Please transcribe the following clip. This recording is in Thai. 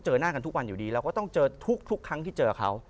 หน้ากันทุกวันอยู่ดีเราก็ต้องเจอทุกครั้งที่เจอเขา